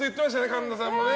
神田さんもね。